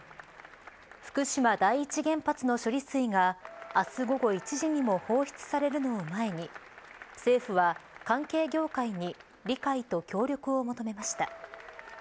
福島第一原発の処理水が明日午後１時にも放出されるのを前に政府は関係業界に理解と協力を求めました。